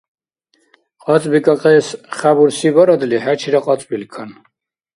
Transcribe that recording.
КьацӀбикӀахъес хя бурсибарадли, хӀечира кьацӀбилкан.